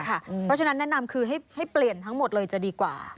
เพราะฉะนั้นแนะนำคือให้เปลี่ยนทั้งหมดเลยจะดีกว่า